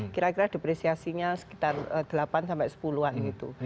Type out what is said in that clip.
kira kira depresiasinya sekitar delapan sampai sepuluh an gitu